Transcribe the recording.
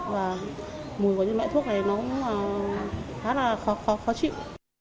và mùi của những loại thuốc này nó cũng khá là khó chịu